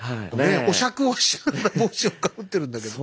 お酌をしながら帽子をかぶってるんだけども。